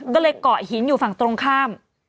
ก็เลยเกาะหินอยู่ฝั่งตรงข้าม